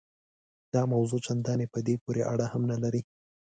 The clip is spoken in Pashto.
دا موضوع چنداني په دې پورې اړه هم نه لري.